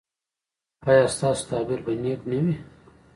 ایا ستاسو تعبیر به نیک نه وي؟